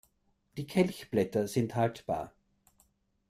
Die Kelchblätter sind haltbar.